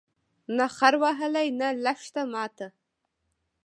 نه خر وهلی، نه لښته ماته